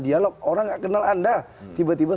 dialog orang nggak kenal anda tiba tiba